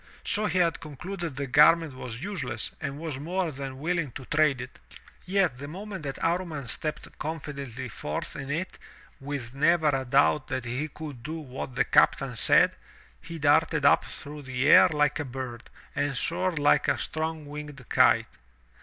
So he had concluded the garment was useless and was more than willing to trade it. Yet the moment that Amman stepped confidently forth in it, with never a doubt that he could do what the captain said, he darted up through the air like a bird, and soared Uke a strong winged kite.